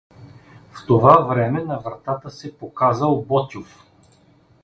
В това време на вратата се показал Ботйов.